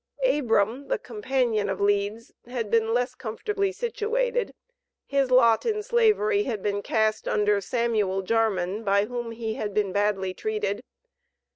Abram, the companion of Leeds, had been less comfortably situated. His lot in Slavery had been cast under Samuel Jarman, by whom he had been badly treated.